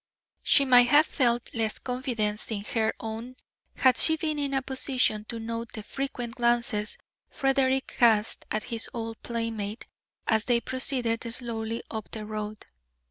She might have felt less confidence in her own had she been in a position to note the frequent glances Frederick cast at his old playmate as they proceeded slowly up the road.